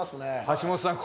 橋本さん